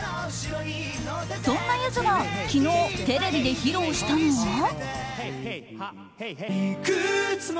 そんなゆずが昨日テレビで披露したのは。